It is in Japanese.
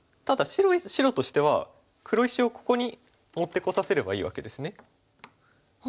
ただ白としては黒石をここに持ってこさせればいいわけですね。